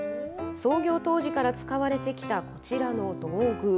創業当時から使われてきたこちらの道具。